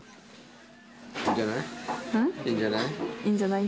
いいんじゃない。